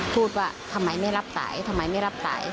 พูดว่าทำไมไม่รับสายทำไมไม่รับสาย